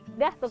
sudah tuh ya